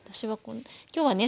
今日はね